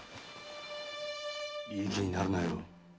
⁉いい気になるなよ。